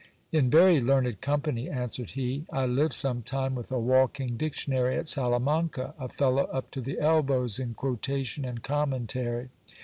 In very learned company, answered he. I lived some time with a walking dictionary at Salamanca, a fellow up to the elbows in quotation and commen tary.